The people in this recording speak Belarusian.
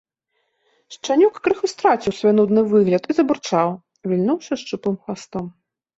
Шчанюк крыху страціў свой нудны выгляд і забурчаў, вільнуўшы шчуплым хвастом.